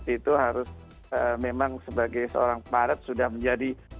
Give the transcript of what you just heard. itu harus memang sebagai seorang maret sudah menjadi